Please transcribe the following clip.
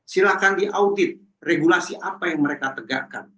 silahkan diaudit regulasi apa yang mereka tegakkan